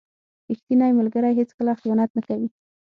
• ریښتینی ملګری هیڅکله خیانت نه کوي.